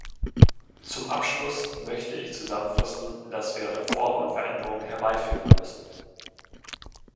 Zum Abschluss möchte ich zusammenfassen, dass wir Reformen und Veränderungen herbeiführen müssen.